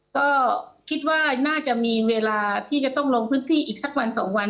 ก็คิดว่าน่าจะมีเวลาที่จะต้องลงพื้นที่อีกสักวันสองวัน